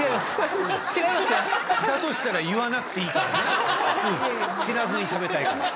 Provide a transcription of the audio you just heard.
だとしたら言わなくていいからね知らずに食べたいから。